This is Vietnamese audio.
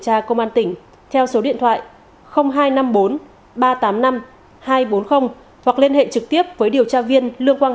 tra công an tỉnh theo số điện thoại hai trăm năm mươi bốn ba trăm tám mươi năm hai trăm bốn mươi hoặc liên hệ trực tiếp với điều tra viên lương quang